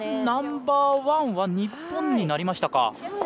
ナンバーワンは日本になりましたか。